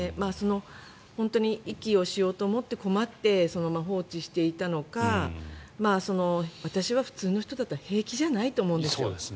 本当に遺棄をしようと思って困ってそのまま放置していたのか私は普通の人だったら平気じゃないと思うんです。